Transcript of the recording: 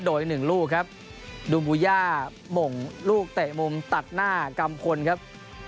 โดย๑ลูกดูมบุญญามงลูกเตะมุมตัดหน้ากำคลครับ